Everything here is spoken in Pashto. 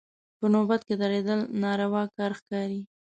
په نوبت کې درېدل ناروا کار ښکاري.